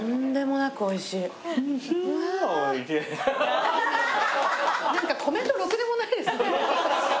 なんかコメントろくでもないですね。